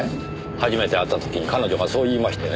初めて会った時彼女がそう言いましてね。